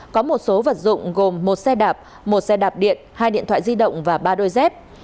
có một số vật dụng gồm một xe đạp một xe đạp điện hai điện thoại di động và ba đôi dép